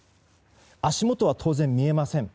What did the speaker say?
足元は当然見えません。